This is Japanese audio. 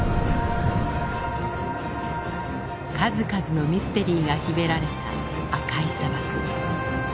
数々のミステリーが秘められた赤い砂漠。